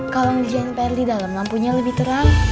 kalo ngerjain pr di dalam lampunya lebih terang